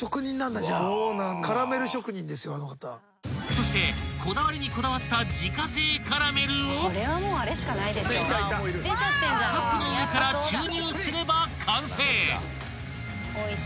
［そしてこだわりにこだわった自家製カラメルをカップの上から注入すれば完成］